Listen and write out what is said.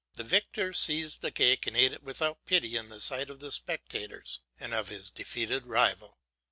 The victor seized the cake and ate it without pity in the sight of the spectators and of his defeated rival.